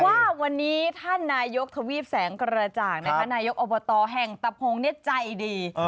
ว่าวันนี้ท่านนายกทวีปแสงกระจ่างนายกอบตแห่งตะพงใจดี